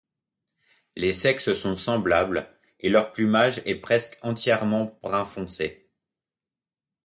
Les sexes sont semblables et leur plumage est presque entièrement brun foncé.